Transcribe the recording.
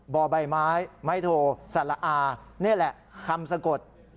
บ่อใบไม้ไม้โทสละอานี่แหละคำสะกด